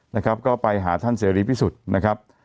นะครับก็ไปหาท่านเสรีพิสุทธิ์นะครับ